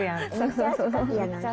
そうそうそうそう。